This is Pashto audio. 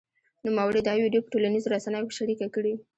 نوموړي دا ویډیو په ټولنیزو رسنیو کې شرېکه کړې